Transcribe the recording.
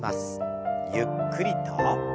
ゆっくりと。